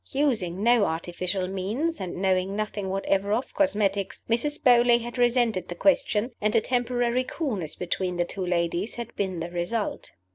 Using no artificial means, and knowing nothing whatever of cosmetics, Mrs. Beauly had resented the question, and a temporary coolness between the two ladies had been the result.